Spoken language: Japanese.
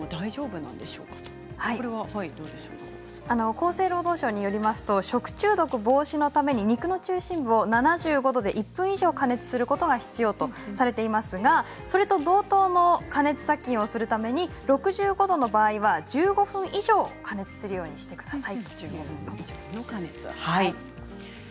厚生労働省によりますと食中毒防止のために肉の中心部を７５度以上で１分以上加熱することが必要とされていますがそれと同等の加熱殺菌をするために６５度の場合は１５分以上加熱するようにしてください。